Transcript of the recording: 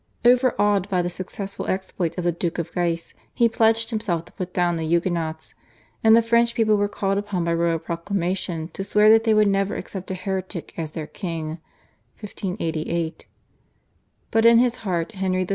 Overawed by the successful exploits of the Duke of Guise he pledged himself to put down the Huguenots, and the French people were called upon by royal proclamation to swear that they would never accept a heretic as their king (1588). But in his heart Henry III.